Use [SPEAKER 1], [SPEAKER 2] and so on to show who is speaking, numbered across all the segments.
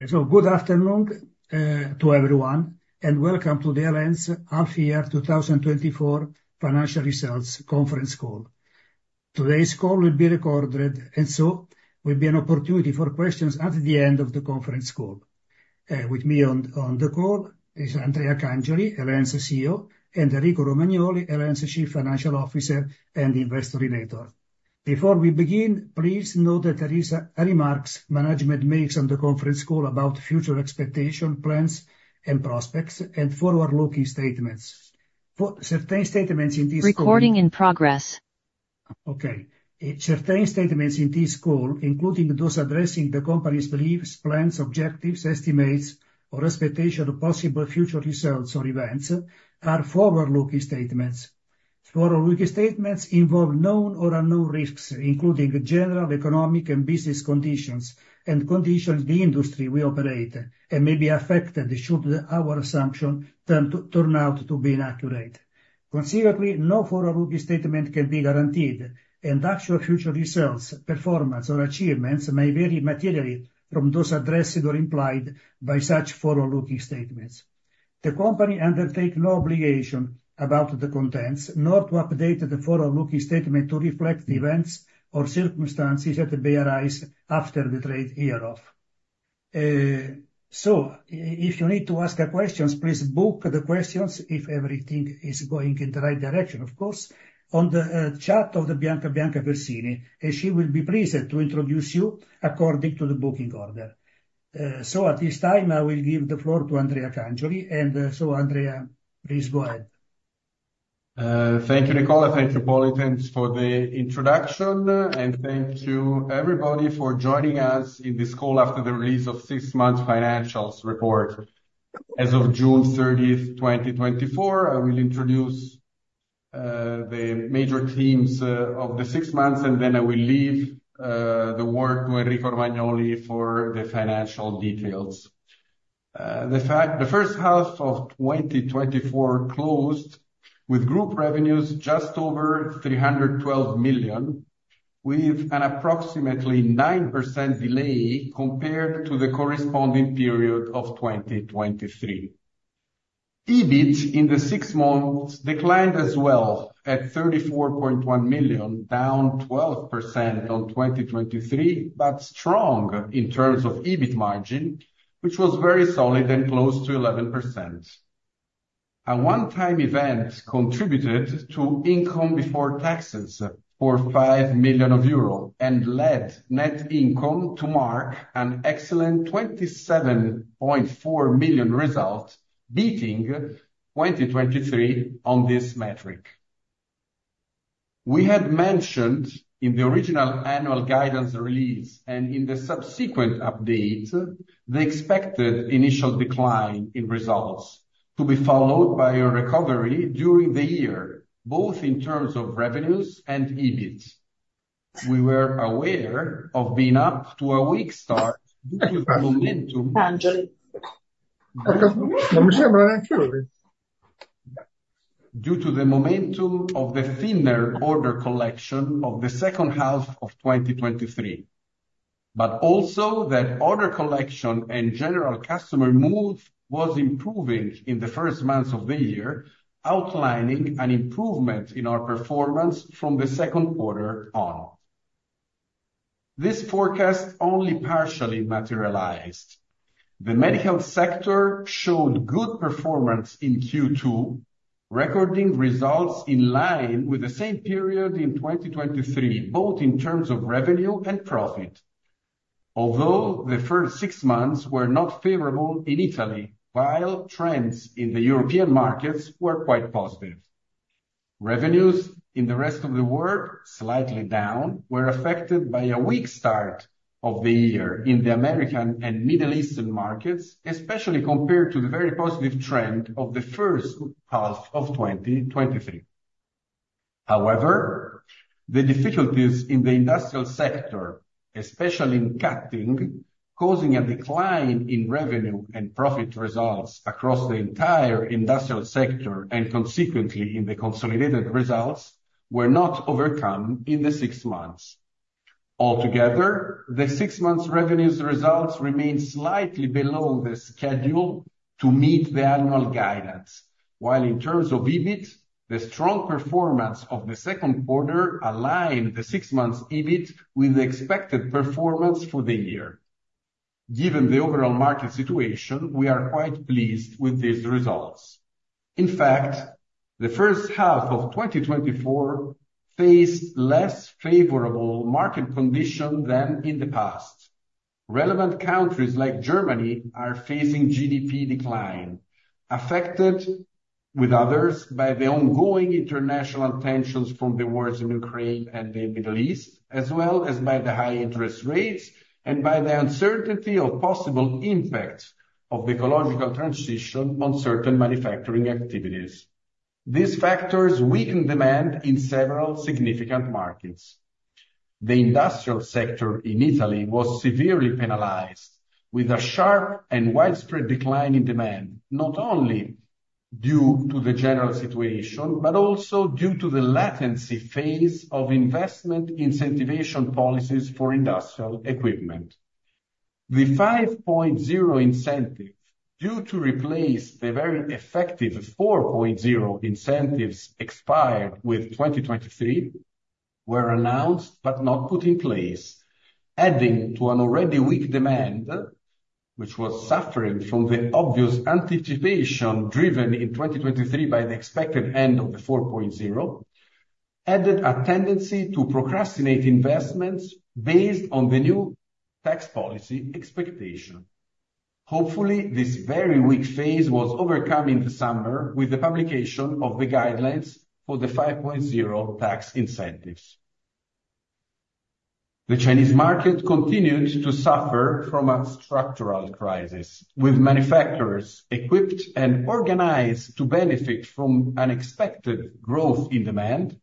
[SPEAKER 1] Good afternoon to everyone, and welcome to the El.En.'s Half-Year 2024 Financial Results Conference Call. Today's call will be recorded, and there will be an opportunity for questions at the end of the conference call. With me on the call is Andrea Cangioli, El.En. CEO, and Enrico Romagnoli, El.En. Chief Financial Officer and Investor Relator. Before we begin, please note that any remarks management makes on the conference call about future expectations, plans, and prospects are forward-looking statements. For certain statements in this call- Okay. Certain statements in this call, including those addressing the company's beliefs, plans, objectives, estimates, or expectation of possible future results or events, are forward-looking statements. Forward-looking statements involve known or unknown risks, including general economic and business conditions, and conditions in the industry we operate, and may be affected, should our assumption turn out to be inaccurate. Importantly, no forward-looking statement can be guaranteed, and actual future results, performance, or achievements may vary materially from those addressed or implied by such forward-looking statements. The company undertake no obligation about the contents, nor to update the forward-looking statement to reflect events or circumstances that may arise after the date hereof. If you need to ask a question, please book the questions if everything is going in the right direction, of course, on the chat of Bianca Versini, and she will be pleased to introduce you according to the booking order. At this time, I will give the floor to Andrea Cangioli, and Andrea, please go ahead.
[SPEAKER 2] Thank you, Nicola. Thank you, Paulito, for the introduction, and thank you everybody for joining us in this call after the release of six months financials report. As of June 13th, 2024, I will introduce the main themes of the six months, and then I will leave the work to Enrico Romagnoli for the financial details. In fact, the first half of 2024 closed with group revenues just over 312 million, with an approximately 9% delay compared to the corresponding period of 2023. EBIT in the six months declined as well at 34.1 million, down 12% on 2023, but strong in terms of EBIT margin, which was very solid and close to 11%. A one-time event contributed to income before taxes for 5 million euro, and led net income to mark an excellent 27.4 million result, beating 2023 on this metric. We had mentioned in the original annual guidance release and in the subsequent update, the expected initial decline in results, to be followed by a recovery during the year, both in terms of revenues and EBIT. We were aware of being up to a weak start due to the momentum- Due to the momentum of the thinner order collection of the second half of 2023, but also that order collection and general customer move was improving in the first months of the year, outlining an improvement in our performance from the second quarter on. This forecast only partially materialized. The medical sector showed good performance in Q2, recording results in line with the same period in 2023, both in terms of revenue and profit. Although the first six months were not favorable in Italy, while trends in the European markets were quite positive. Revenues in the rest of the world, slightly down, were affected by a weak start of the year in the American and Middle Eastern markets, especially compared to the very positive trend of the first half of 2023. However, the difficulties in the industrial sector, especially in cutting, causing a decline in revenue and profit results across the entire industrial sector, and consequently in the consolidated results, were not overcome in the six months. Altogether, the six months revenues results remain slightly below the schedule to meet the annual guidance, while in terms of EBIT, the strong performance of the second quarter aligned the six months EBIT with the expected performance for the year. Given the overall market situation, we are quite pleased with these results. In fact, the first half of 2024 faced less favorable market condition than in the past. Relevant countries like Germany are facing GDP decline, affected with others by the ongoing international tensions from the wars in Ukraine and the Middle East, as well as by the high interest rates, and by the uncertainty of possible impacts of the ecological transition on certain manufacturing activities. These factors weaken demand in several significant markets. The industrial sector in Italy was severely penalized, with a sharp and widespread decline in demand, not only due to the general situation, but also due to the latency phase of investment incentivation policies for industrial equipment. The 5.0 incentive, due to replace the very effective 4.0 incentives expired with 2023, were announced but not put in place, adding to an already weak demand, which was suffering from the obvious anticipation, driven in 2023 by the expected end of the 4.0, added a tendency to procrastinate investments based on the new tax policy expectation. Hopefully, this very weak phase was overcome in the summer with the publication of the guidelines for the 5.0 tax incentives. The Chinese market continued to suffer from a structural crisis, with manufacturers equipped and organized to benefit from unexpected growth in demand,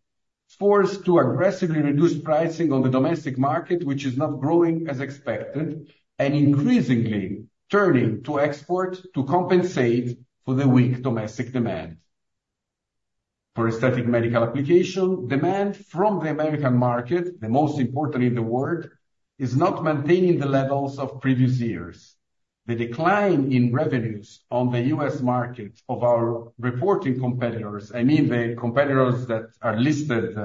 [SPEAKER 2] forced to aggressively reduce pricing on the domestic market, which is not growing as expected, and increasingly turning to export to compensate for the weak domestic demand. For aesthetic medical application, demand from the American market, the most important in the world, is not maintaining the levels of previous years. The decline in revenues on the U.S. market of our reporting competitors, I mean, the competitors that are listed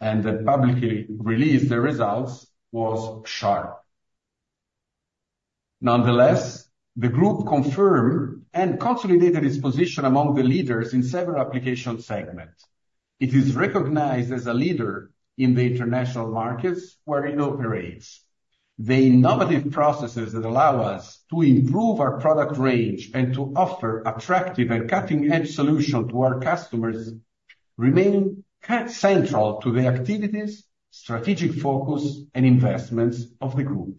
[SPEAKER 2] and that publicly release their results, was sharp. Nonetheless, the group confirmed and consolidated its position among the leaders in several application segments. It is recognized as a leader in the international markets where it operates. The innovative processes that allow us to improve our product range and to offer attractive and cutting-edge solution to our customers remain central to the activities, strategic focus, and investments of the group.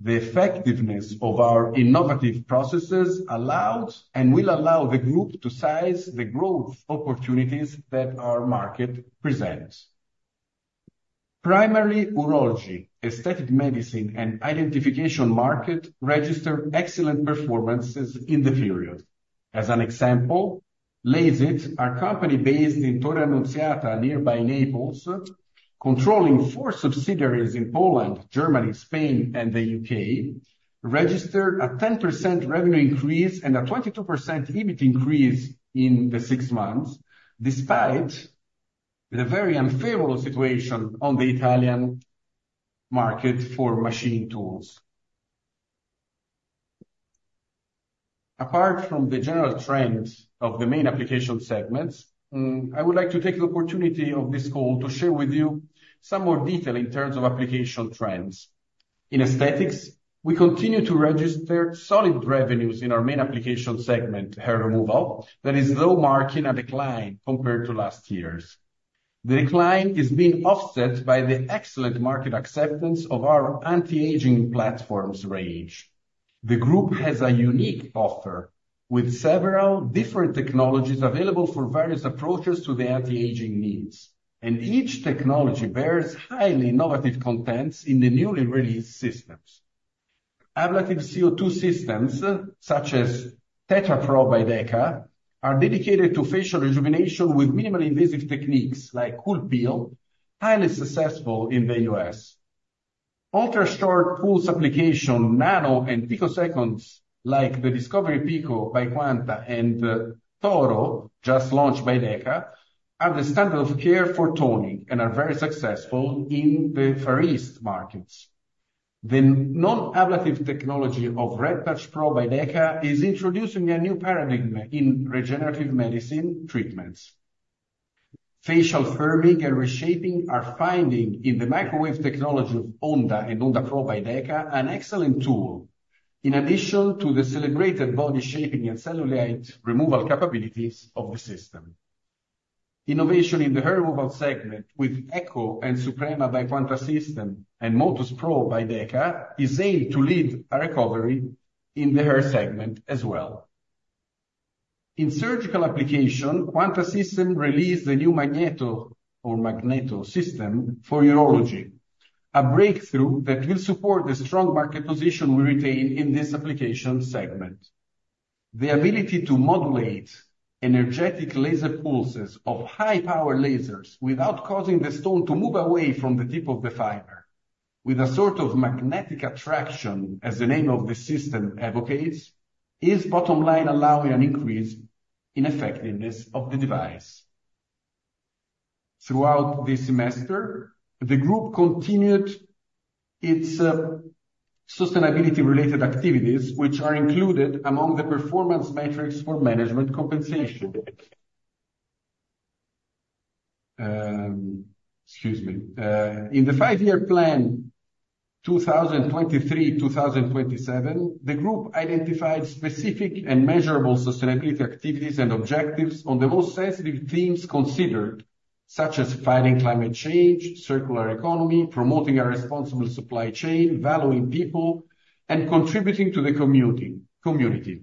[SPEAKER 2] The effectiveness of our innovative processes allowed and will allow the group to seize the growth opportunities that our market presents. Primary urology, aesthetic medicine, and identification market registered excellent performances in the period. As an example, LASIT, our company based in Torre Annunziata, nearby Naples, controlling four subsidiaries in Poland, Germany, Spain, and the U.K., registered a 10% revenue increase and a 22% EBIT increase in the six months, despite the very unfavorable situation on the Italian market for machine tools. Apart from the general trends of the main application segments, I would like to take the opportunity of this call to share with you some more detail in terms of application trends. In aesthetics, we continue to register solid revenues in our main application segment, hair removal, that is though marking a decline compared to last year's. The decline is being offset by the excellent market acceptance of our anti-aging platforms range. The group has a unique offer, with several different technologies available for various approaches to the anti-aging needs, and each technology bears highly innovative contents in the newly released systems. Ablative CO2 systems, such as Tetra PRO by DEKA, are dedicated to facial rejuvenation with minimally invasive techniques like CoolPeel, highly successful in the U.S. Ultra short pulse application, nano and picoseconds, like the Discovery Pico by Quanta and TORO, just launched by DEKA, are the standard of care for toning and are very successful in the Far East markets. The non-ablative technology of RedTouch PRO by DEKA is introducing a new paradigm in regenerative medicine treatments. Facial firming and reshaping are finding in the microwave technology of Onda and Onda PRO by DEKA, an excellent tool. In addition to the celebrated body shaping and cellulite removal capabilities of the system. Innovation in the Hair Removal segment with Echo and Suprema by Quanta System and Motus PRO by DEKA is aimed to lead a recovery in the hair segment as well. In surgical application, Quanta System released a new Magneto or Magneto system for urology, a breakthrough that will support the strong market position we retain in this application segment. The ability to modulate energetic laser pulses of high power lasers without causing the stone to move away from the tip of the fiber, with a sort of magnetic attraction, as the name of the system advocates, is bottom line allowing an increase in effectiveness of the device. Throughout this semester, the group continued its sustainability-related activities, which are included among the performance metrics for management compensation. Excuse me. In the five-year plan, 2023-2027, the group identified specific and measurable sustainability activities and objectives on the most sensitive themes considered, such as fighting climate change, circular economy, promoting a responsible supply chain, valuing people, and contributing to the community.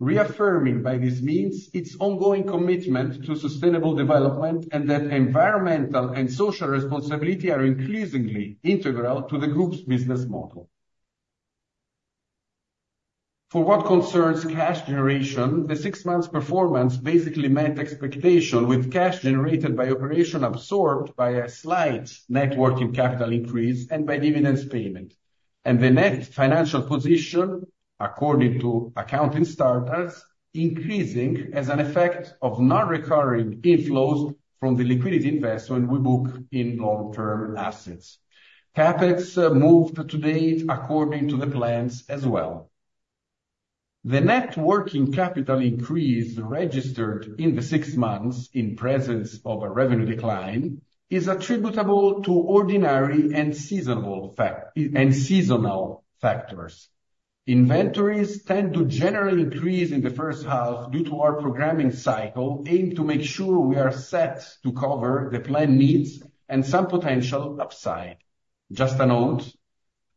[SPEAKER 2] Reaffirming, by this means, its ongoing commitment to sustainable development and that environmental and social responsibility are increasingly integral to the group's business model. For what concerns cash generation, the six months performance basically met expectation with cash generated by operation absorbed by a slight net working capital increase and by dividends payment, and the net financial position, according to accounting standards, increasing as an effect of non-recurring inflows from the liquidity investment we book in long-term assets. CapEx moved to date according to the plans as well. The net working capital increase registered in the six months in presence of a revenue decline is attributable to ordinary and seasonal factors. Inventories tend to generally increase in the first half due to our programming cycle, aimed to make sure we are set to cover the planned needs and some potential upside. Just a note,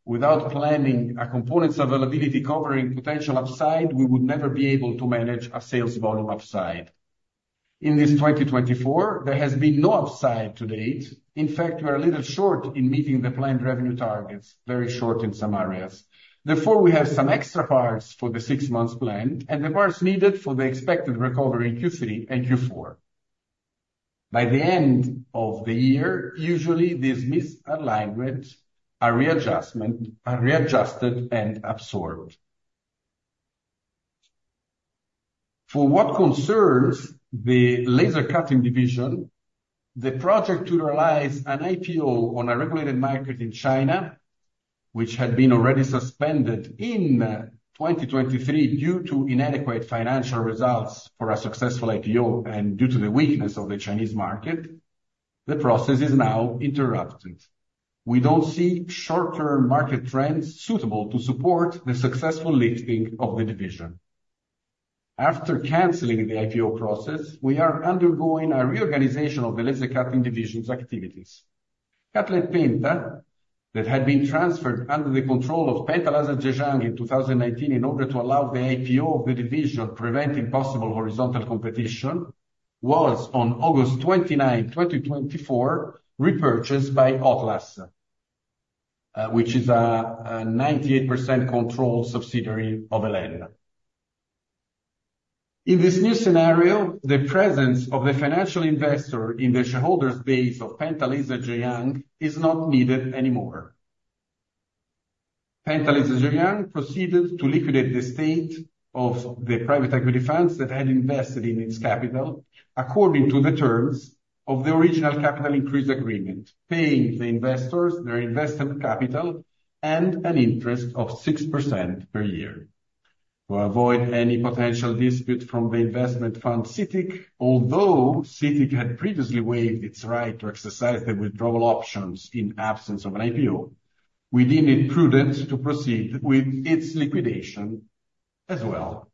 [SPEAKER 2] without planning a components availability covering potential upside, we would never be able to manage a sales volume upside. In this 2024, there has been no upside to date. In fact, we are a little short in meeting the planned revenue targets, very short in some areas. Therefore, we have some extra parts for the six months plan and the parts needed for the expected recovery in Q3 and Q4. By the end of the year, usually, these misalignments are readjusted and absorbed. For what concerns the laser cutting division, the project to realize an IPO on a regulated market in China, which had been already suspended in 2023 due to inadequate financial results for a successful IPO and due to the weakness of the Chinese market, the process is now interrupted. We don't see short-term market trends suitable to support the successful listing of the division. After canceling the IPO process, we are undergoing a reorganization of the laser cutting division's activities. Cutlite Penta, that had been transferred under the control of Penta Laser Zhejiang in 2018 to allow the IPO of the division, preventing possible horizontal competition, was on August 29th, 2024, repurchased by Otlas, which is a 98% controlled subsidiary of El.En. In this new scenario, the presence of the financial investor in the shareholders base of Penta Laser Zhejiang is not needed anymore. Penta Laser Zhejiang proceeded to liquidate the stake of the private equity funds that had invested in its capital, according to the terms of the original capital increase agreement, paying the investors their invested capital and an interest of 6% per year. To avoid any potential dispute from the investment fund, CITIC, although CITIC had previously waived its right to exercise the withdrawal options in absence of an IPO, we deem it prudent to proceed with its liquidation as well.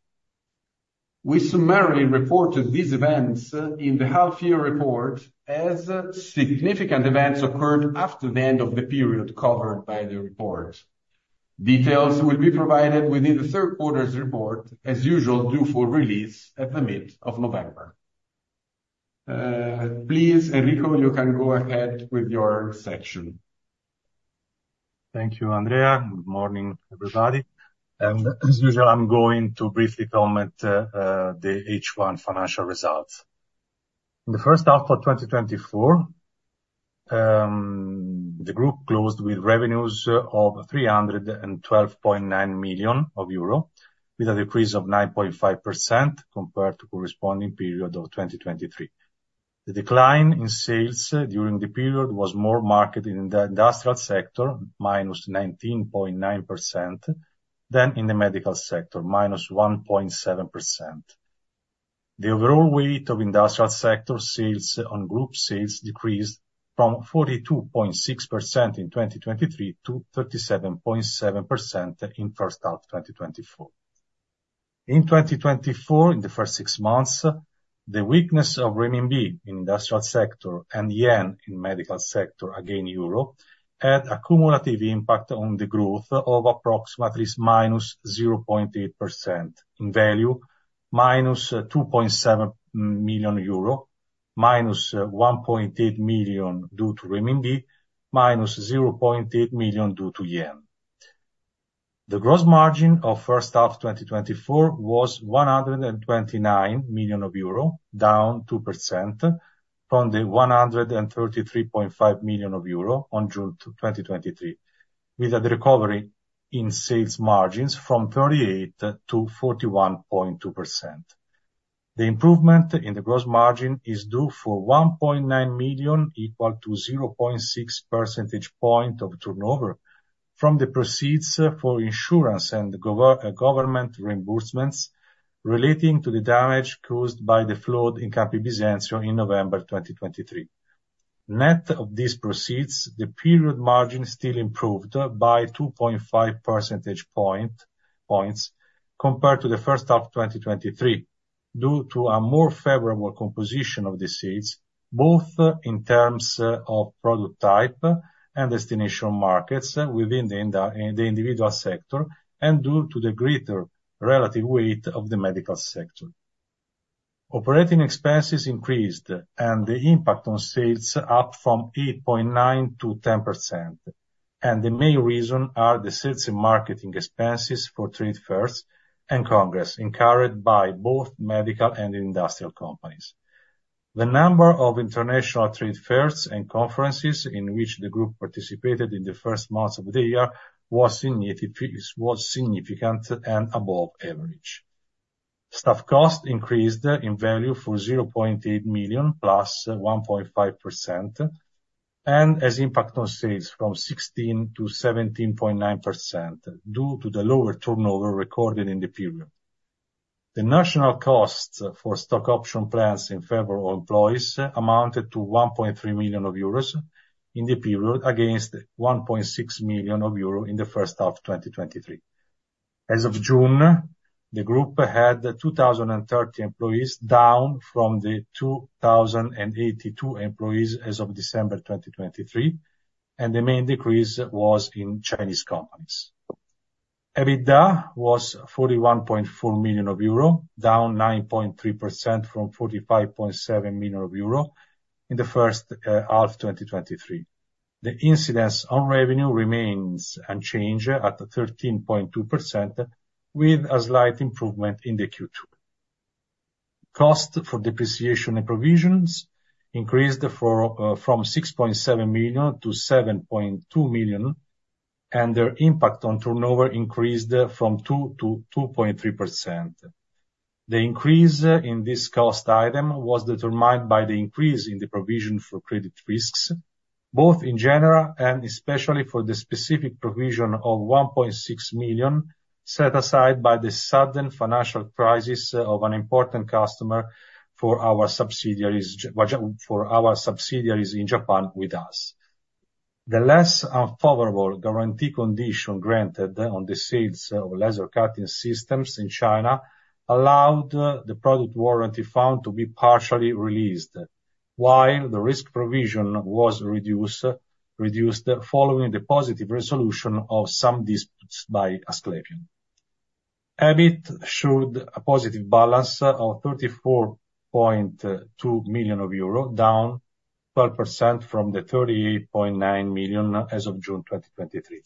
[SPEAKER 2] We summarily reported these events in the half year report as significant events occurred after the end of the period covered by the report. Details will be provided within the third quarter's report, as usual, due for release at the mid of November. Please, Enrico, you can go ahead with your section.
[SPEAKER 3] Thank you, Andrea. Good morning, everybody, and as usual, I'm going to briefly comment the H1 financial results. In the first half of 2024, the group closed with revenues of 312.9 million euro, with a decrease of 9.5% compared to corresponding period of 2023. The decline in sales during the period was more marked in the industrial sector, -19.9%, than in the medical sector, -1.7%. The overall weight of industrial sector sales on group sales decreased from 42.6% in 2023 to 37.7% in first half 2024. In 2024, in the first six months, the weakness of CNY in industrial sector and JPY in medical sector, against euro, had a cumulative impact on the growth of approximately -0.8% in value, -2.7 million euro, -1.8 million due to CNY, EUR -0.8 million due to JPY. The gross margin of first half 2024 was 129 million euro, down 2% from the 133.5 million euro on June 30, 2023, with a recovery in sales margins from 38% to 41.2%. The improvement in the gross margin is due for 1.9 million, equal to 0.6 percentage points of turnover from the proceeds for insurance and government reimbursements relating to the damage caused by the flood in Campi Bisenzio in November 2023. Net of these proceeds, the period margin still improved by 2.5 percentage points compared to the first half of 2023, due to a more favorable composition of the sales, both in terms of product type and destination markets within the individual sector, and due to the greater relative weight of the medical sector. Operating expenses increased, and the impact on sales up from 8.9% to 10%, and the main reason are the sales and marketing expenses for trade fairs and congress, incurred by both medical and industrial companies. The number of international trade fairs and conferences in which the group participated in the first months of the year was significant and above average. Staff costs increased by 0.8 million EUR, +1.5%, and as a percentage of sales from 16%-17.9%, due to the lower turnover recorded in the period. The non-cash costs for stock option plans in favor of employees amounted to 1.3 million euros in the period, against 1.6 million euros in the first half of 2023. As of June, the group had 2,030 employees, down from the 2,082 employees as of December 2023, and the main decrease was in Chinese companies. EBITDA was 41.4 million euro, down 9.3% from 45.7 million euro in the first half of 2023. The incidence on revenue remains unchanged at 13.2%, with a slight improvement in the Q2. Cost for depreciation and provisions increased from 6.7 million-7.2 million, and their impact on turnover increased from 2%-2.3%. The increase in this cost item was determined by the increase in the provision for credit risks, both in general and especially for the specific provision of 1.6 million, set aside by the sudden financial crisis of an important customer for our subsidiaries in Japan which, for our subsidiaries in Japan with us. The less unfavorable guarantee condition granted on the sales of laser cutting systems in China allowed the product warranty fund to be partially released, while the risk provision was reduced following the positive resolution of some disputes by Asclepion. EBIT showed a positive balance of 34.2 million euro, down 12% from the 38.9 million as of June 2023,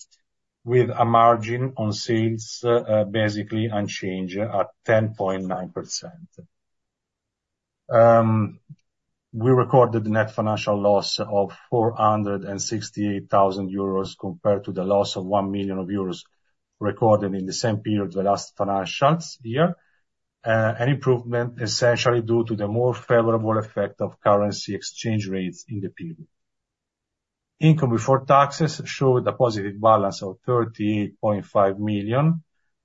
[SPEAKER 3] with a margin on sales basically unchanged at 10.9%. We recorded net financial loss of 468,000 euros compared to the loss of 1 million euros recorded in the same period the last financial year, an improvement essentially due to the more favorable effect of currency exchange rates in the period. Income before taxes showed a positive balance of 38.5 million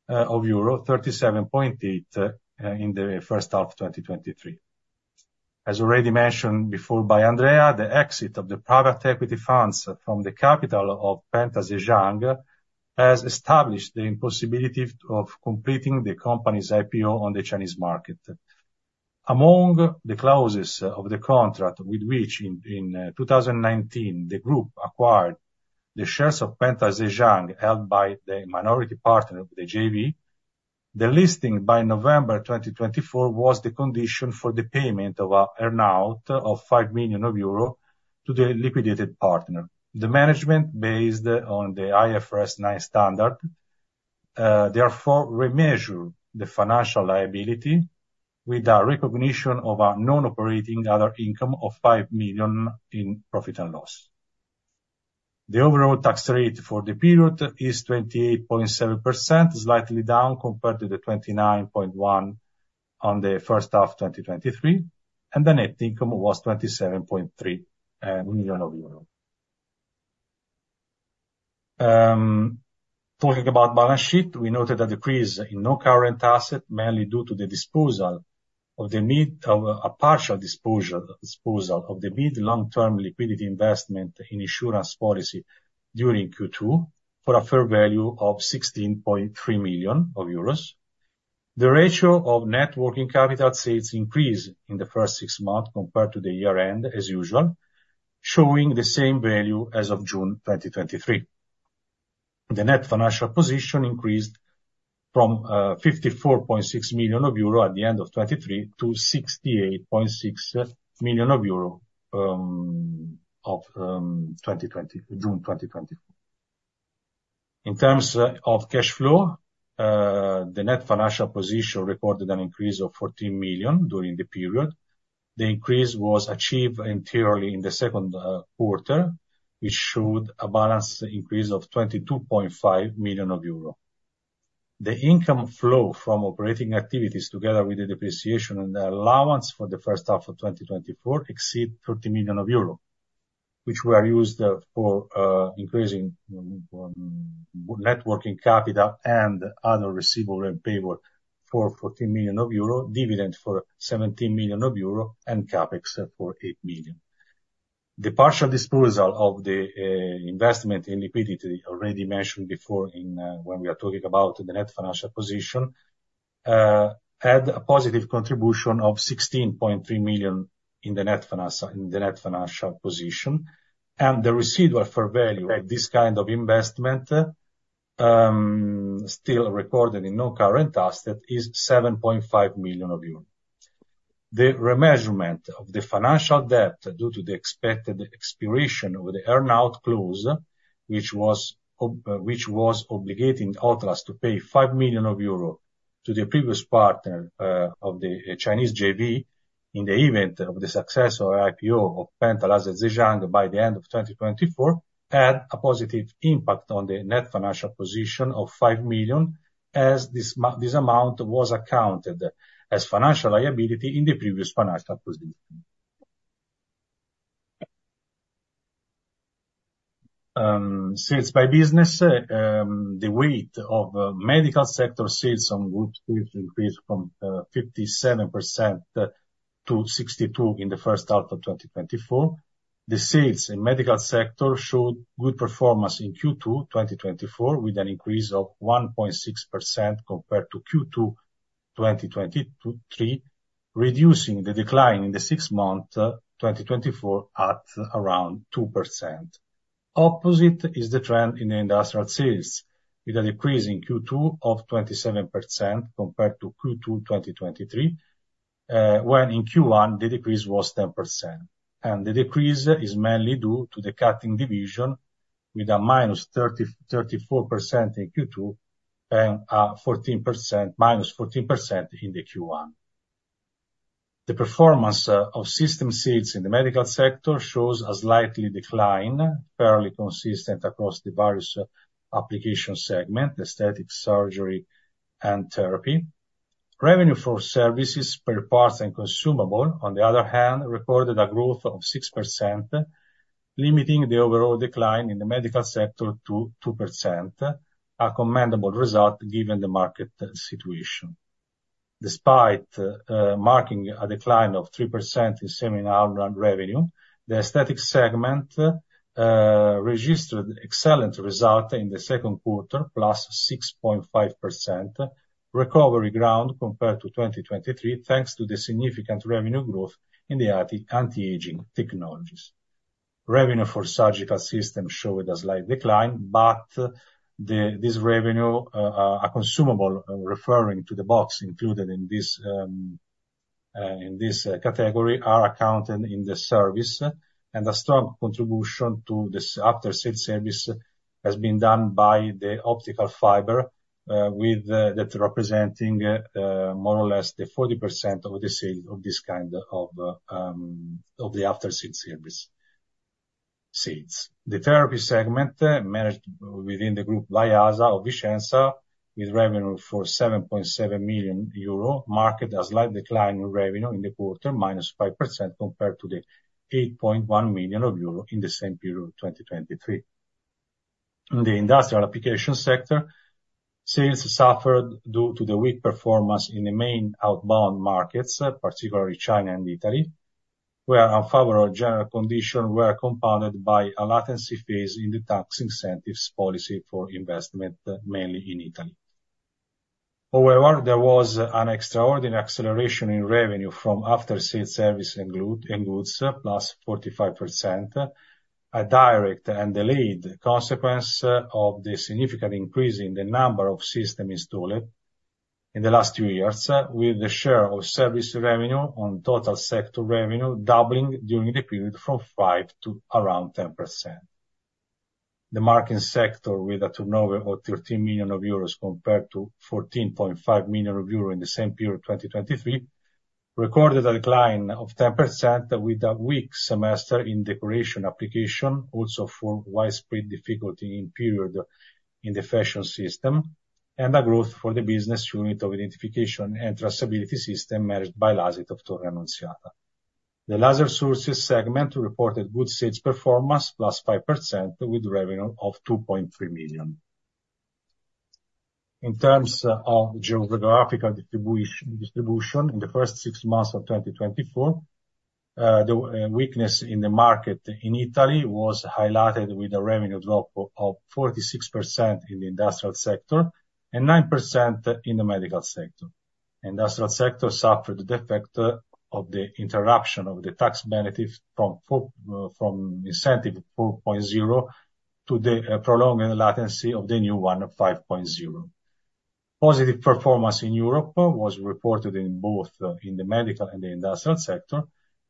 [SPEAKER 3] of euro, 37.8 million in the first half of 2023. As already mentioned before by Andrea, the exit of the private equity funds from the capital of Penta Zhejiang has established the impossibility of completing the company's IPO on the Chinese market. Among the clauses of the contract, with which in 2019, the group acquired the shares of Penta Zhejiang, held by the minority partner of the JV, the listing by November 2024 was the condition for the payment of a earn-out of 5 million of euro to the liquidated partner. The management, based on the IFRS 9 standard, therefore remeasure the financial liability with a recognition of a non-operating other income of 5 million in profit and loss. The overall tax rate for the period is 28.7%, slightly down compared to the 29.1% on the first half of 2023, and the net income was 27.3 million euro. Talking about balance sheet, we noted a decrease in non-current assets, mainly due to the partial disposal of the mid-long term liquidity investment in insurance policy during Q2, for a fair value of 16.3 million euros. The ratio of net working capital to sales increased in the first six months compared to the year-end, as usual, showing the same value as of June 2023. The net financial position increased from 54.6 million euro at the end of 2023 to 68.6 million euro as of June 2024. In terms of cash flow, the net financial position recorded an increase of 14 million during the period. The increase was achieved entirely in the second quarter, which showed a balance increase of 22.5 million euro. The income flow from operating activities, together with the depreciation and allowance for the first half of 2024, exceed 13 million euro, which were used for increasing net working capital and other receivable and payable for 14 million euro, dividend for 17 million euro, and CapEx for 8 million. The partial disposal of the investment in liquidity, already mentioned before in when we are talking about the net financial position, had a positive contribution of 16.3 million in the net financial position, and the receivable fair value at this kind of investment-... Still recorded in non-current asset is 7.5 million. The remeasurement of the financial debt due to the expected expiration of the earn-out clause, which was obligating Otlas to pay 5 million euro to the previous partner of the Chinese JV, in the event of the success or IPO of Penta Laser Zhejiang by the end of 2024, had a positive impact on the net financial position of 5 million, as this amount was accounted as financial liability in the previous financial position. Sales by business, the weight of medical sector sales on group sales increased from 57%-62% in the first half of 2024. The sales in medical sector showed good performance in Q2 2024, with an increase of 1.6% compared to Q2 2023, reducing the decline in the six-month 2024 at around 2%. Opposite is the trend in the industrial sales, with a decrease in Q2 of 27% compared to Q2 2023, when in Q1, the decrease was 10%. The decrease is mainly due to the cutting division with a -34% in Q2 and -14% in the Q1. The performance of system sales in the medical sector shows a slightly decline, fairly consistent across the various application segment, aesthetic surgery and therapy. Revenue for services, spare parts and consumables, on the other hand, recorded a growth of 6%, limiting the overall decline in the medical sector to 2%, a commendable result given the market situation. Despite marking a decline of 3% in semi-annual revenue, the aesthetic segment registered excellent results in the second quarter, plus 6.5%, recovering ground compared to 2023, thanks to the significant revenue growth in the anti-aging technologies. Revenue for surgical system showed a slight decline, but the, this revenue, are consumable, referring to the box included in this, in this category, are accounted in the service, and a strong contribution to this after sales service has been done by the optical fiber, with, that representing, more or less the 40% of the sales of this kind of, of the after sales service sales. The therapy segment, managed within the group by ASA of Vicenza, with revenue for 7.7 million euro, market a slight decline in revenue in the quarter, -5%, compared to the 8.1 million euro in the same period of 2023. In the industrial application sector, sales suffered due to the weak performance in the main outbound markets, particularly China and Italy, where unfavorable general conditions were compounded by a latency phase in the tax incentives policy for investment, mainly in Italy. However, there was an extraordinary acceleration in revenue from after-sales service and spares and goods, +45%, a direct and delayed consequence of the significant increase in the number of systems installed in the last two years, with the share of service revenue on total sector revenue doubling during the period from 5% to around 10%. The marking sector, with a turnover of 13 million euros compared to 14.5 million euros in the same period, 2023, recorded a decline of 10% with a weak semester in decoration application, also for widespread difficulty in the period in the fashion system, and a growth for the business unit of identification and traceability system managed by LASIT of Torre Annunziata. The laser sources segment reported good sales performance, +5%, with revenue of 2.3 million. In terms of geographical distribution, in the first six months of 2024, weakness in the market in Italy was highlighted with a revenue drop of 46% in the industrial sector and 9% in the medical sector. Industrial sector suffered the effect of the interruption of the tax benefit from Industry 4.0 to the prolonged latency of the new one, Industry 5.0. Positive performance in Europe was reported in both the medical and the industrial sector.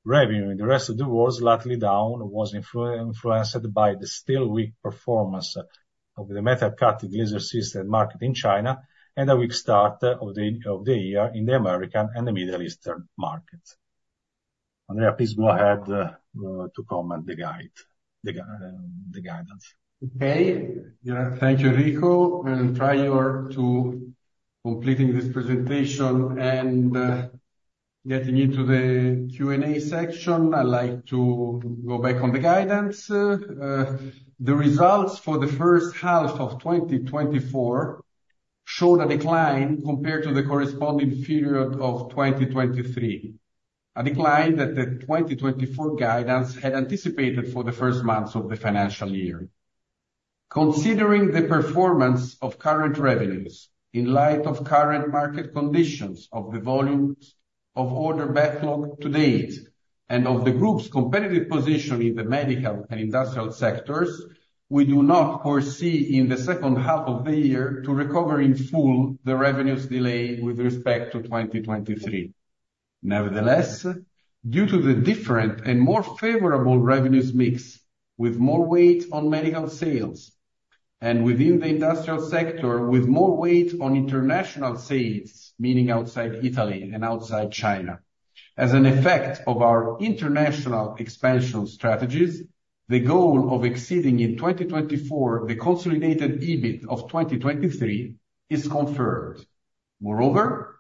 [SPEAKER 3] Revenue in the rest of the world, slightly down, was influenced by the still weak performance of the metal cutting laser system market in China, and a weak start of the year in the American and the Middle Eastern market. Andrea, please go ahead to comment the guidance.
[SPEAKER 2] Okay. Yeah, thank you, Enrico. And prior to completing this presentation and getting into the Q&A section, I'd like to go back on the guidance. The results for the first half of 2024 showed a decline compared to the corresponding period of 2023, a decline that the 2024 guidance had anticipated for the first months of the financial year. Considering the performance of current revenues, in light of current market conditions of the volumes of order backlog to date and of the group's competitive position in the medical and industrial sectors, we do not foresee in the second half of the year to recover in full the revenues delay with respect to 2023. Nevertheless, due to the different and more favorable revenues mix, with more weight on medical sales, and within the industrial sector, with more weight on international sales, meaning outside Italy and outside China, as an effect of our international expansion strategies, the goal of exceeding in 2024 the consolidated EBIT of 2023 is confirmed. Moreover,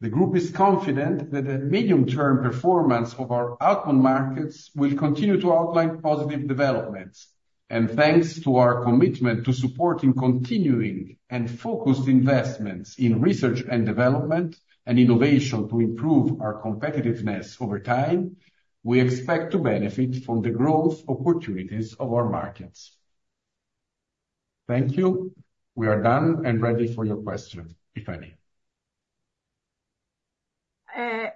[SPEAKER 2] the group is confident that the medium-term performance of our outcome markets will continue to outline positive developments, and thanks to our commitment to supporting, continuing and focused investments in research and development and innovation to improve our competitiveness over time, we expect to benefit from the growth opportunities of our markets. Thank you. We are done and ready for your questions, if any.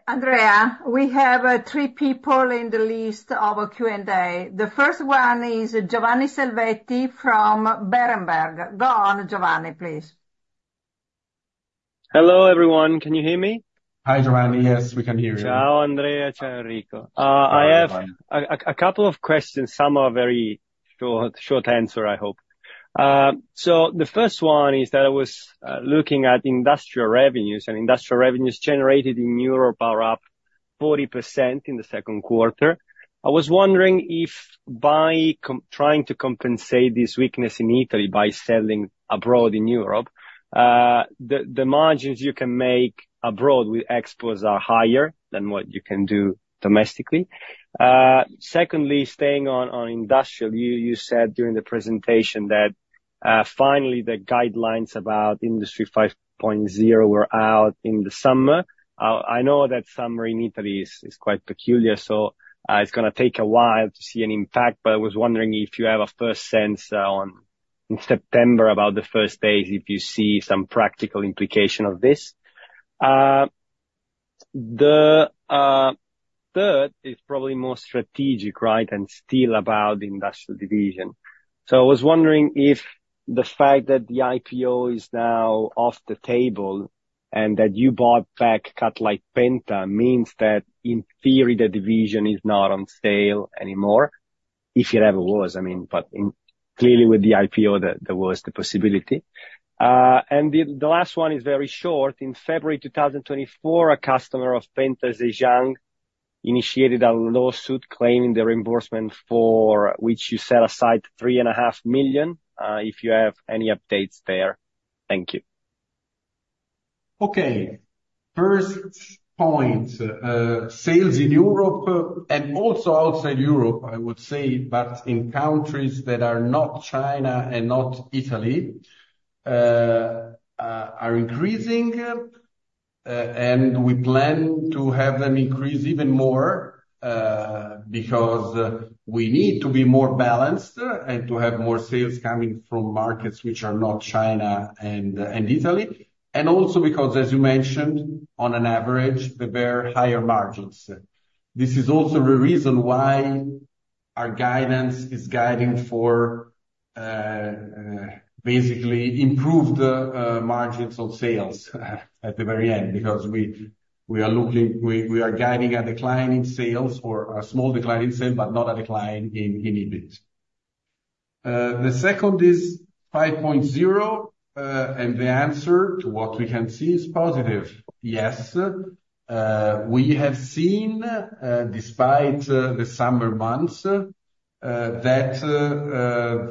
[SPEAKER 4] Andrea, we have three people in the list of our Q&A. The first one is Giovanni Selvetti from Berenberg. Go on, Giovanni, please.
[SPEAKER 5] Hello, everyone. Can you hear me?
[SPEAKER 2] Hi, Giovanni. Yes, we can hear you.
[SPEAKER 5] Ciao, Andrea. Ciao, Enrico. I have a couple of questions. Some are very short answer, I hope. So the first one is that I was looking at industrial revenues, and industrial revenues generated in Europe are up 40% in the second quarter. I was wondering if by trying to compensate this weakness in Italy by selling abroad in Europe, the margins you can make abroad with exports are higher than what you can do domestically. Secondly, staying on industrial, you said during the presentation that finally the guidelines about Industry 5.0 were out in the summer. I know that summer in Italy is quite peculiar, so it's gonna take a while to see an impact. I was wondering if you have a first sense on, in September, about the first days, if you see some practical implication of this. The third is probably more strategic, right, and still about the industrial division. So I was wondering if the fact that the IPO is now off the table and that you bought back Cutlite Penta means that, in theory, the division is not on sale anymore, if it ever was. I mean, but in, clearly, with the IPO, there, there was the possibility. And the last one is very short. In February 2024, a customer of Penta Zhejiang initiated a lawsuit claiming the reimbursement for which you set aside 3.5 million, if you have any updates there. Thank you.
[SPEAKER 2] Okay. First point, sales in Europe and also outside Europe, I would say, but in countries that are not China and not Italy, are increasing, and we plan to have them increase even more, because we need to be more balanced and to have more sales coming from markets which are not China and Italy, and also because, as you mentioned, on an average, they bear higher margins. This is also the reason why our guidance is guiding for, basically improved, margins on sales at the very end, because we are looking - we are guiding a decline in sales or a small decline in sales, but not a decline in EBIT. The second is five point zero, and the answer to what we can see is positive. Yes, we have seen, despite the summer months, that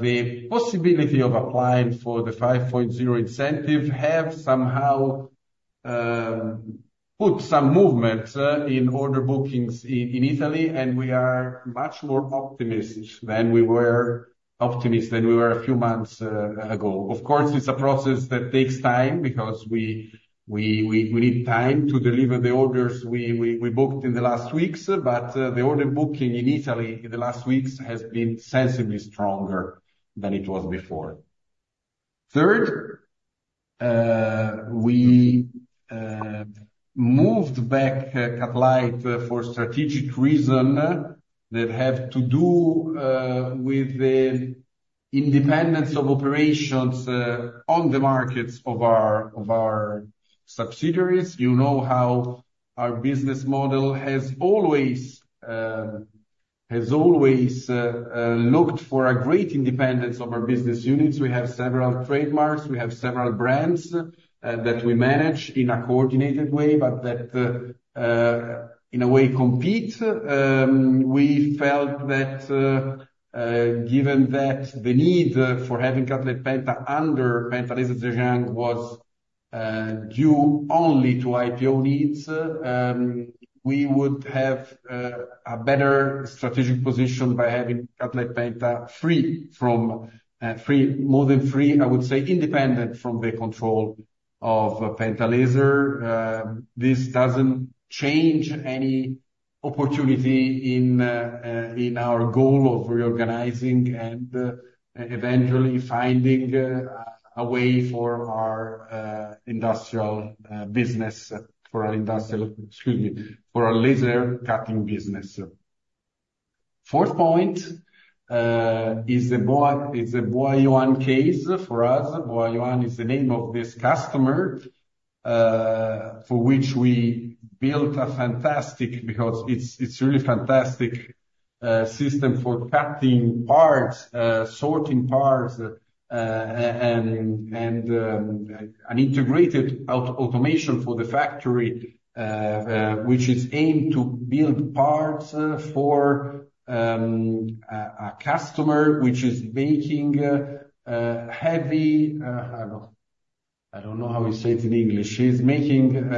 [SPEAKER 2] the possibility of applying for the Industry 5.0 incentive have somehow put some movement in order bookings in Italy, and we are much more optimistic than we were a few months ago. Of course, it's a process that takes time, because we need time to deliver the orders we booked in the last weeks, but the order booking in Italy in the last weeks has been sensibly stronger than it was before. Third, we moved back Cutlite for strategic reason that have to do with the independence of operations on the markets of our subsidiaries. You know how our business model has always looked for a great independence of our business units. We have several trademarks, we have several brands, that we manage in a coordinated way, but that, in a way, compete. We felt that given that the need for having Cutlite Penta under Penta Laser Zhejiang was due only to IPO needs, we would have a better strategic position by having Cutlite Penta free from, free, more than free, I would say, independent from the control of Penta Laser. This doesn't change any opportunity in our goal of reorganizing and eventually finding a way for our industrial business, for our industrial, excuse me, for our laser cutting business. Fourth point is the Baoyuan case for us. Baoyuan is the name of this customer for which we built a fantastic system because it's really fantastic system for cutting parts, sorting parts, and an integrated automation for the factory, which is aimed to build parts for a customer which is making heavy. I don't know how you say it in English. He's making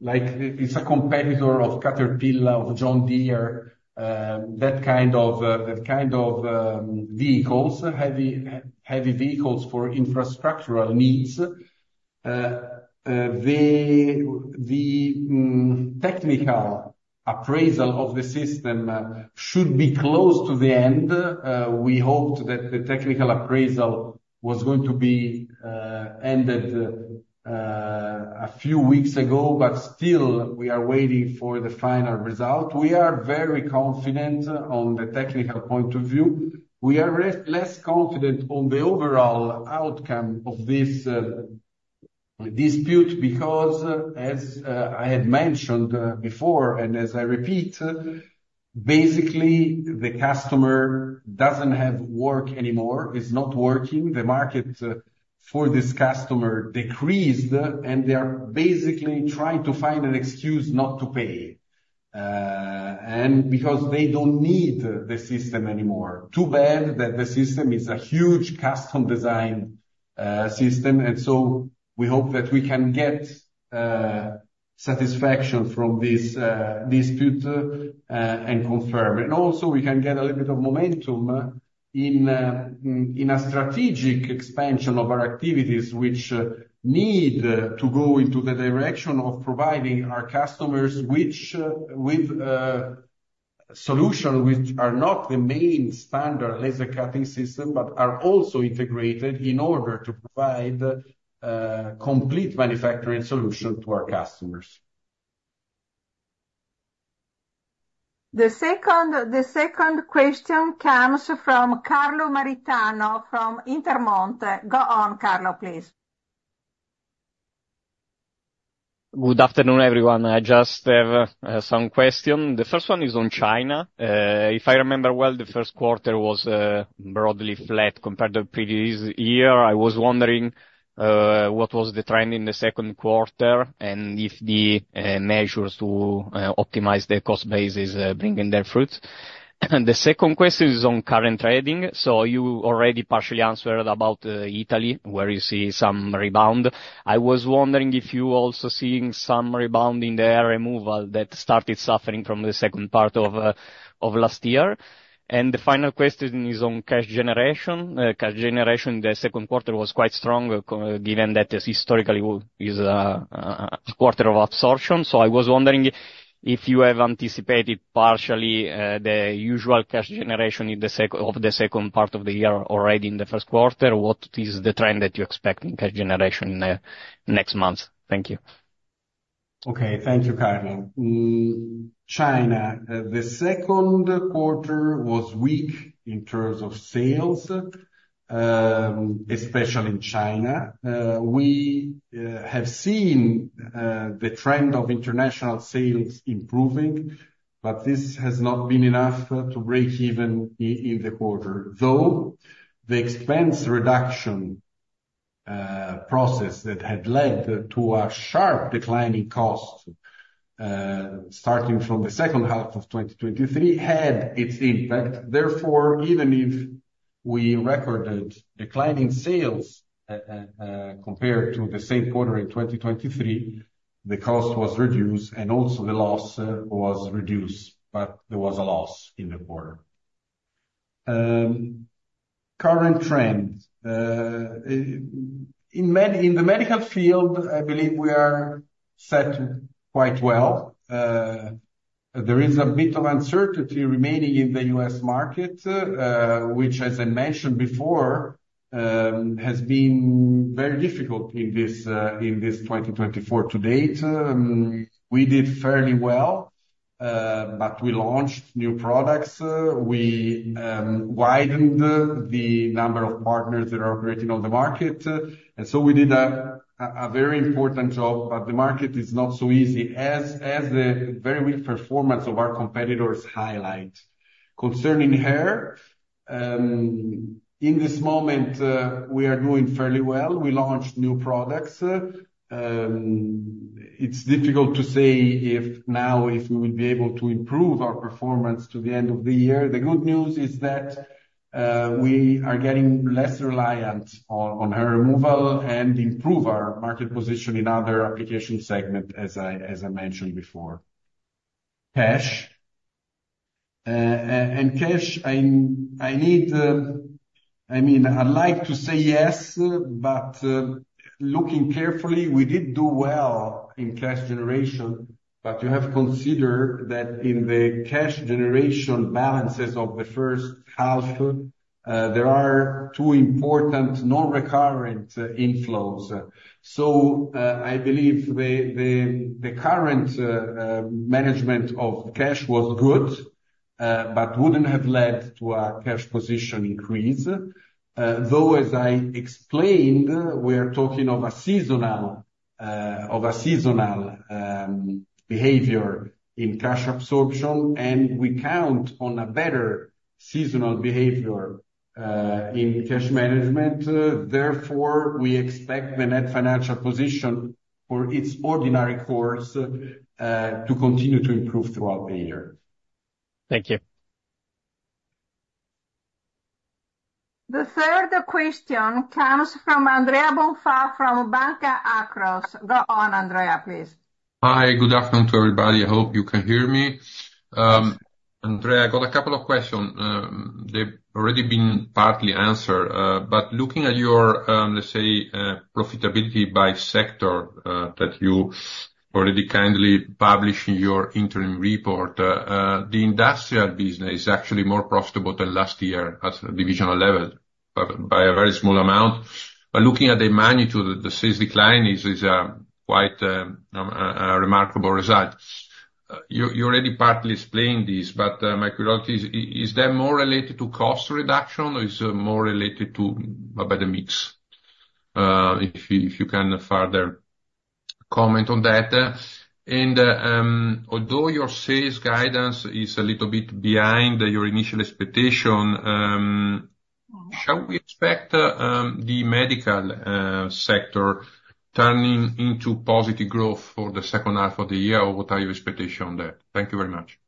[SPEAKER 2] like it's a competitor of Caterpillar, of John Deere, that kind of vehicles, heavy vehicles for infrastructural needs. The technical appraisal of the system should be close to the end. We hoped that the technical appraisal was going to be ended a few weeks ago, but still we are waiting for the final result. We are very confident on the technical point of view. We are less confident on the overall outcome of this dispute, because as I had mentioned before, and as I repeat, basically, the customer doesn't have work anymore, is not working. The market for this customer decreased, and they are basically trying to find an excuse not to pay, and because they don't need the system anymore. Too bad that the system is a huge custom design system, and so we hope that we can get satisfaction from this dispute, and confirm. And also, we can get a little bit of momentum in a strategic expansion of our activities, which need to go into the direction of providing our customers with solution, which are not the main standard laser cutting system, but are also integrated in order to provide complete manufacturing solution to our customers.
[SPEAKER 4] The second question comes from Carlo Maritano, from Intermonte. Go on, Carlo, please.
[SPEAKER 6] Good afternoon, everyone. I just have some question. The first one is on China. If I remember well, the first quarter was broadly flat compared to the previous year. I was wondering what was the trend in the second quarter, and if the measures to optimize the cost base is bearing fruit? And the second question is on current trading. So you already partially answered about Italy, where you see some rebound. I was wondering if you're also seeing some rebound in the hair removal that started suffering from the second part of last year. And the final question is on cash generation. Cash generation, the second quarter was quite strong, given that this historically was a quarter of absorption. I was wondering if you have anticipated partially the usual cash generation in the second part of the year already in the first quarter. What is the trend that you expect in cash generation next month? Thank you.
[SPEAKER 2] Okay. Thank you, Carlo. China, the second quarter was weak in terms of sales, especially in China. We have seen the trend of international sales improving, but this has not been enough to break even in the quarter. Though, the expense reduction process that had led to a sharp decline in cost, starting from the second half of 2023, had its impact. Therefore, even if we recorded declining sales, compared to the same quarter in 2023, the cost was reduced and also the loss was reduced, but there was a loss in the quarter. Current trend. In the medical field, I believe we are set quite well. There is a bit of uncertainty remaining in the U.S. market, which, as I mentioned before, has been very difficult in this 2024 to date. We did fairly well, but we launched new products. We widened the number of partners that are operating on the market, and so we did a very important job, but the market is not so easy as the very weak performance of our competitors highlight. Concerning hair, in this moment, we are doing fairly well. We launched new products. It's difficult to say if now, if we will be able to improve our performance to the end of the year. The good news is that we are getting less reliant on hair removal and improve our market position in other application segment, as I mentioned before. I mean, I'd like to say yes, but looking carefully, we did do well in cash generation, but you have to consider that in the cash generation balances of the first half, there are two important non-recurrent inflows, so I believe the current management of cash was good, but wouldn't have led to a cash position increase. Though, as I explained, we are talking of a seasonal behavior in cash absorption, and we count on a better seasonal behavior in cash management. Therefore, we expect the Net Financial Position for its ordinary course to continue to improve throughout the year.
[SPEAKER 6] Thank you.
[SPEAKER 4] The third question comes from Andrea Bonfà, from Banca Akros. Go on, Andrea, please.
[SPEAKER 7] Hi, good afternoon to everybody. I hope you can hear me. Andrea, I got a couple of questions. They've already been partly answered, but looking at your, let's say, profitability by sector, that you already kindly published in your interim report. The industrial business is actually more profitable than last year at the divisional level, but by a very small amount. But looking at the magnitude, the sales decline is quite a remarkable result. You already partly explained this, but my query is, is that more related to cost reduction, or is it more related to a better mix? If you can further comment on that. Although your sales guidance is a little bit behind your initial expectation, shall we expect the medical sector turning into positive growth for the second half of the year? Or what are your expectation on that? Thank you very much.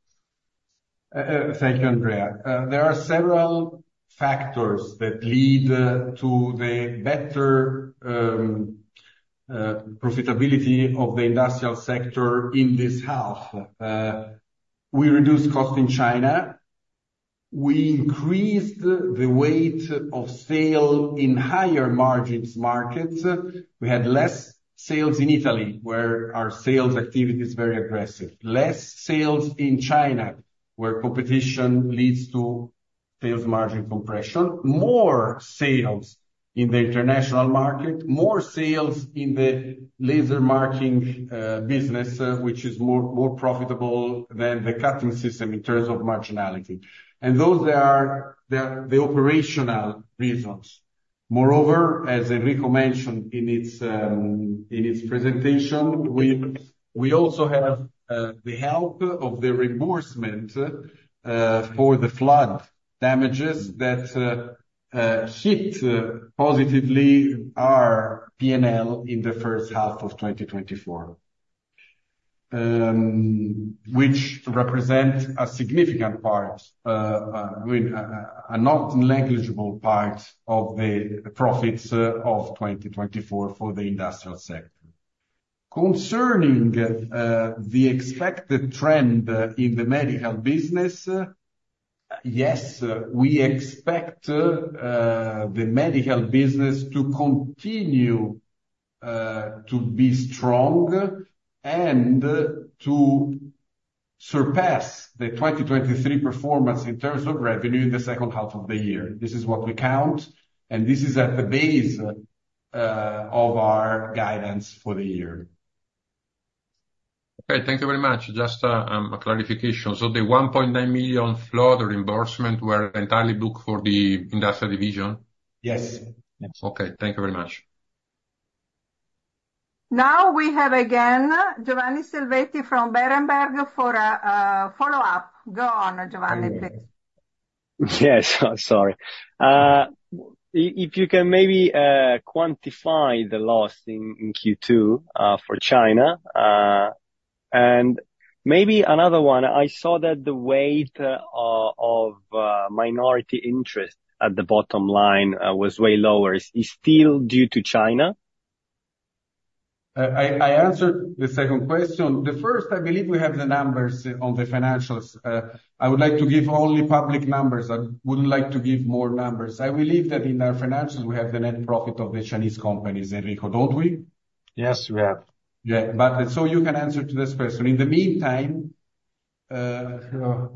[SPEAKER 2] Thank you, Andrea. There are several factors that lead to the better profitability of the industrial sector in this half. We reduced cost in China. We increased the weight of sale in higher margins markets. We had less sales in Italy, where our sales activity is very aggressive. Less sales in China, where competition leads to sales margin compression. More sales in the international market, more sales in the laser marking business, which is more profitable than the cutting system in terms of marginality. And those are the operational reasons. Moreover, as Enrico mentioned in his presentation, we also have the help of the reimbursement for the flood damages that hit positively our P&L in the first half of 2024 which represent a significant part, I mean, a not negligible part of the profits of 2024 for the industrial sector. Concerning the expected trend in the medical business, yes, we expect the medical business to continue to be strong and to surpass the 2023 performance in terms of revenue in the second half of the year. This is what we count, and this is at the base of our guidance for the year.
[SPEAKER 7] Okay, thank you very much. Just, a clarification. So the 1.9 million flood reimbursement were entirely booked for the industrial division?
[SPEAKER 2] Yes.
[SPEAKER 7] Okay, thank you very much.
[SPEAKER 4] Now, we have again, Giovanni Salvetti from Berenberg for a follow-up. Go on, Giovanni, please.
[SPEAKER 5] Yes, sorry. If you can maybe quantify the loss in Q2 for China, and maybe another one, I saw that the weight of minority interest at the bottom line was way lower. Is still due to China?
[SPEAKER 2] I answered the second question. The first, I believe we have the numbers on the financials. I would like to give only public numbers. I wouldn't like to give more numbers. I believe that in our financials, we have the net profit of the Chinese companies, Enrico, don't we?
[SPEAKER 3] Yes, we have.
[SPEAKER 2] Yeah, but so you can answer to this person. In the meantime, the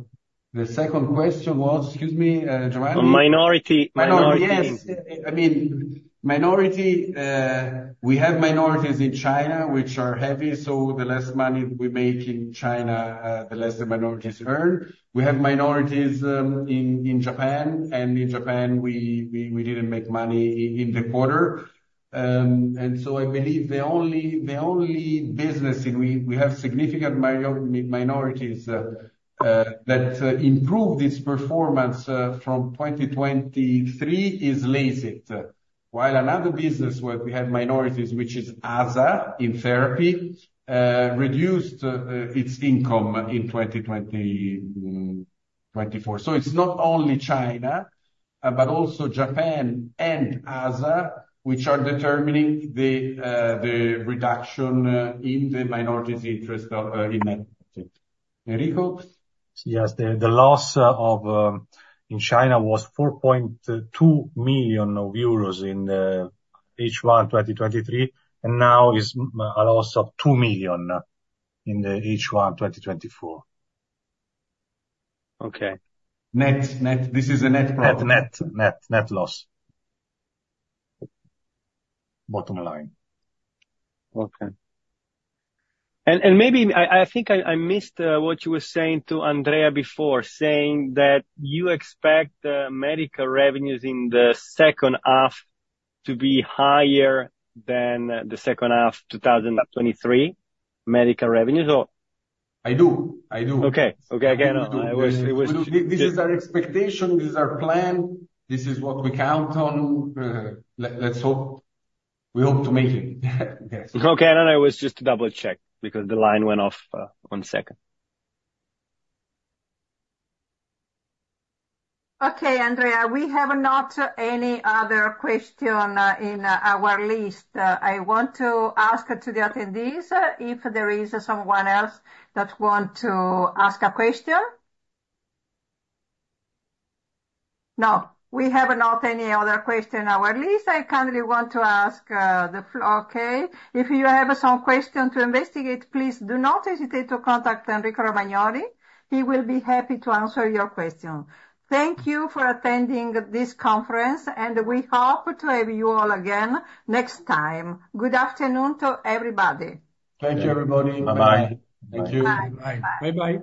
[SPEAKER 2] second question was, excuse me, Giovanni?
[SPEAKER 5] On minority.
[SPEAKER 2] Yes. I mean, we have minorities in China which are heavy, so the less money we make in China, the less the minorities earn. We have minorities in Japan, and in Japan, we didn't make money in the quarter. And so I believe the only business where we have significant minorities that improved its performance from 2023 is LASIT. While another business where we have minorities, which is ASA, in therapy, reduced its income in 2024. So it's not only China, but also Japan and ASA, which are determining the reduction in the minorities interest in it. Enrico?
[SPEAKER 3] Yes, the loss in China was 4.2 million euros in H1 2023, and now is a loss of 2 million in H1 2024.
[SPEAKER 5] Okay.
[SPEAKER 2] Net, net. This is a net profit.
[SPEAKER 3] Net, net, net loss.
[SPEAKER 2] Bottom line.
[SPEAKER 3] Okay.
[SPEAKER 5] Maybe I think I missed what you were saying to Andrea before, saying that you expect medical revenues in the second half to be higher than the second half of 2023, medical revenues or?
[SPEAKER 2] I do. I do.
[SPEAKER 5] Okay. Okay, again, I was-
[SPEAKER 2] This is our expectation. This is our plan. This is what we count on. Let's hope. We hope to make it. Yes.
[SPEAKER 5] Okay, then I was just to double check because the line went off, one second.
[SPEAKER 4] Okay, Andrea, we have not any other question in our list. I want to ask to the attendees, if there is someone else that want to ask a question? No, we have not any other question in our list. I kindly want to ask. Okay, if you have some question to investigate, please do not hesitate to contact Enrico Romagnoli, he will be happy to answer your question. Thank you for attending this conference, and we hope to have you all again next time. Good afternoon to everybody.
[SPEAKER 2] Thank you, everybody.
[SPEAKER 3] Bye-bye.
[SPEAKER 2] Thank you.
[SPEAKER 4] Bye.
[SPEAKER 2] Bye-bye.